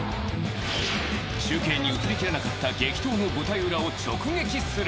中継に映りきらなかった激闘の舞台裏を直撃する。